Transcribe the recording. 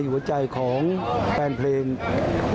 ท่านจะต้องแก่งไปเนอะ